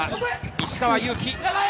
石川祐希。